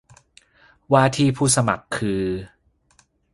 ว่าที่ผู้สมัครคือ